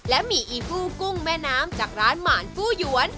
และมีอีฟู้กุ้งแม่น้ำจากร้านหมานฟู้หยวน